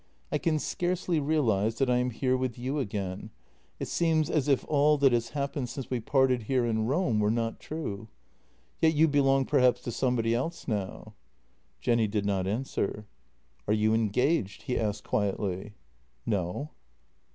" I can scarcely realize that I am here with you again — it seems as if all that has happened since we parted here in Rome were not true. Yet you belong perhaps to somebody else now? " Jenny did not answer. "Are you engaged?" he asked quietly. " No."